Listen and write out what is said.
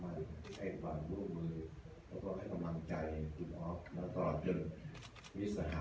มาให้กว่าร่วมมือแล้วก็ให้กำลังใจคุณออฟมาตลอดจนวิสหาฯนะฮะ